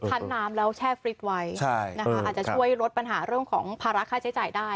ั้นน้ำแล้วแช่ฟริตไว้นะคะอาจจะช่วยลดปัญหาเรื่องของภาระค่าใช้จ่ายได้